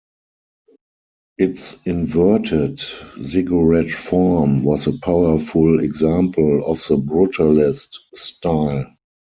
Its inverted ziggurat form was a powerful example of the Brutalist style.